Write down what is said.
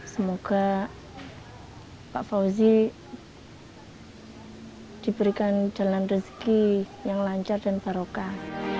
semoga pak fauzi diberikan jalan rezeki yang lancar dan barokah